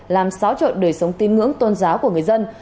làm xáo trộn đời sống tín ngưỡng tôn giáo của người dân